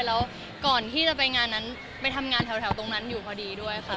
แล้วก่อนที่จะไปงานนั้นไปทำงานแถวตรงนั้นอยู่พอดีด้วยค่ะ